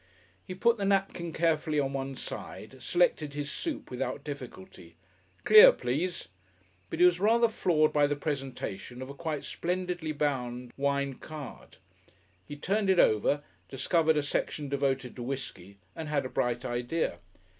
He put the napkin carefully on one side, selected his soup without difficulty, "Clear, please," but he was rather floored by the presentation of a quite splendidly bound wine card. He turned it over, discovered a section devoted to whiskey, and had a bright idea.